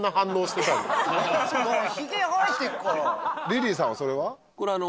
リリーさんはそれは？